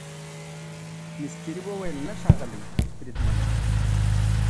مستري وویل نه ښاغلی بریدمن.